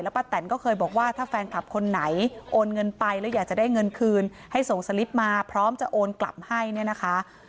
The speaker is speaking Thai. ป้าแตนก็เคยบอกว่าถ้าแฟนคลับคนไหนโอนเงินไปแล้วอยากจะได้เงินคืนให้ส่งสลิปมาพร้อมจะโอนกลับให้เนี่ยนะคะ